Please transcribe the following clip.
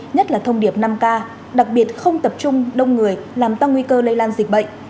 nhất là thông điệp năm k đặc biệt không tập trung đông người làm tăng nguy cơ lây lan dịch bệnh